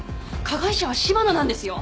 加害者は柴野なんですよ。